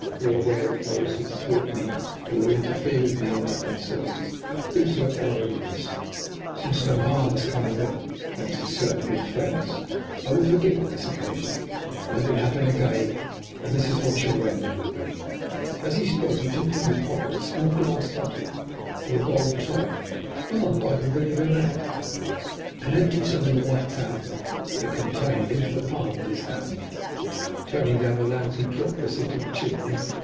You are aware that those who thwart me, or who interfere with me and my concerns, do so at their own risk. Since no harm has come of it, thanks to certain good friends, I will forgive on this occasion, but let it happen again and this is what your end will be." [Illustration: "Presently a picture shaped itself in the cloud."] As he spoke he took from his pocket a small glass bottle with a gold top, not unlike a vinaigrette, and emptied some of the white powder it contained into the palm of his hand. Turning down the lamp he dropped this into the chimney.